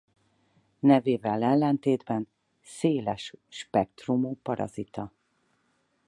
Nevével ellentétben széles spektrumú parazita.